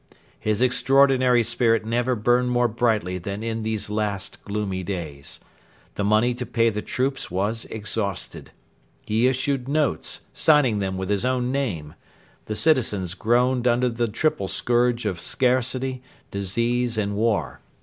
His extraordinary spirit never burned more brightly than in these last, gloomy days. The money to pay the troops was exhausted. He issued notes, signing them with his own name. The citizens groaned under the triple scourge of scarcity, disease, and war.